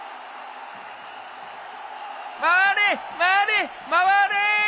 ・回れ回れ回れ。